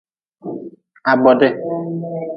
Ha bodi.